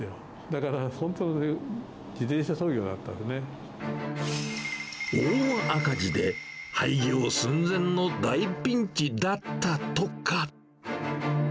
だから本当、大赤字で、廃業寸前の大ピンチだったとか。